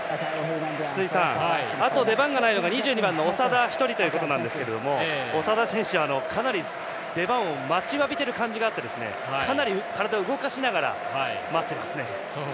あと、出番がないのが２２番の長田１人なんですが長田選手、かなり出番を待ちわびてる感じがあってかなり体を動かしながら待ってますね。